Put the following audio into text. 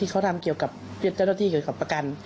เขาทำเกี่ยวกับเจ้าหน้าที่เกี่ยวกับประกัน